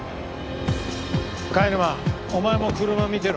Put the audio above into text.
貝沼お前も車見てろ。